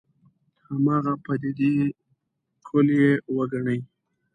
هماغه پدیدې کُل یې وګڼي.